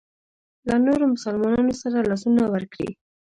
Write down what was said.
له نورو مسلمانانو سره لاسونه ورکړي.